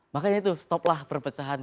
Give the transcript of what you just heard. makanya itu stop lah perpecahan